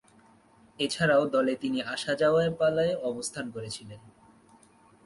এছাড়াও দলে তিনি আসা-যাওয়ার পালায় অবস্থান করছিলেন।